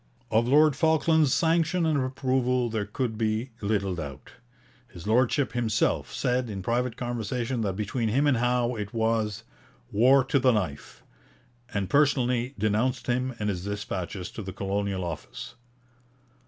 Of Lord Falkland's sanction and approval there could be little doubt. His Lordship himself said in private conversation that between him and Howe it was 'war to the knife,' and personally denounced him in his dispatches to the Colonial Office.